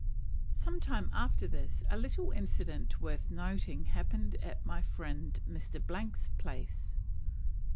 Some time after this, a little incident worth noting happened at my friend Mr. 's place.